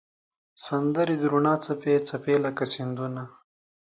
سندرې د روڼا څپې، څپې لکه سیندونه